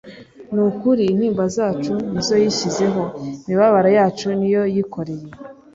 "Ni ukuri intimba zacu nizo yishyizeho, imibabaro yacu ni yo yikoreye...